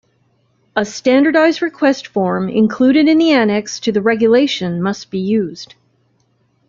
A standardised request form included in the annex to the regulation must be used.